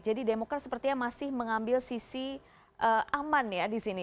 jadi demokrat sepertinya masih mengambil sisi aman ya disini